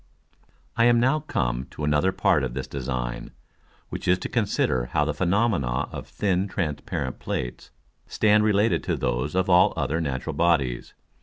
_ I am now come to another part of this Design, which is to consider how the Phænomena of thin transparent Plates stand related to those of all other natural Bodies.